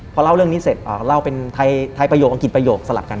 พอเล่าเรื่องนี้เสร็จเล่าเป็นไทยประโยคอังกฤษประโยคสลับกัน